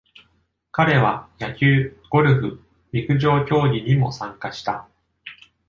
彼は、野球、ゴルフ、陸上競技にも参加した。